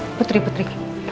eh putri putri